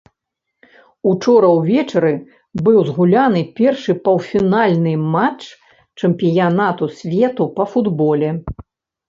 Учора ўвечары быў згуляны першы паўфінальны матч чэмпіянату свету па футболе.